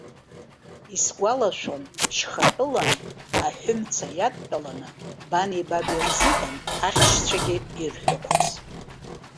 Исгәалашәон, шьхатәылан, аҳәымца иадтәаланы, бани баби рзыҳәан ахьшьцәагьы ирҳәақәоз.